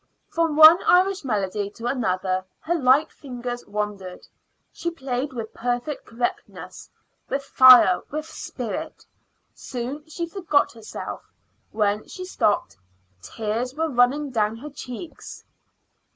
From one Irish melody to another her light fingers wandered. She played with perfect correctness with fire, with spirit. Soon she forgot herself. When she stopped, tears were running down her cheeks.